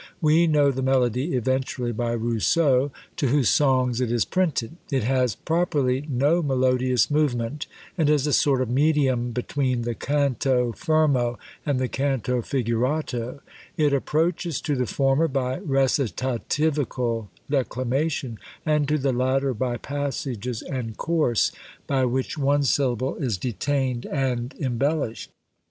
We know the melody eventually by Rousseau, to whose songs it is printed; it has properly no melodious movement, and is a sort of medium between the canto fermo and the canto figurato; it approaches to the former by recitativical declamation, and to the latter by passages and course, by which one syllable is detained and embellished.